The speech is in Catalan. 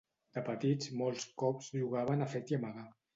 De petits, molts cops jugàvem a fet i amagar.